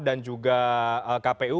dan juga kpu